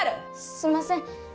すんません。